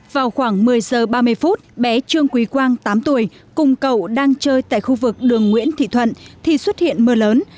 vào khoảng một mươi giờ ba mươi phút bé trương quý quang tám tuổi cùng cậu đang chơi tại khu vực đường nguyễn thị thuận thì xuất hiện mưa lớn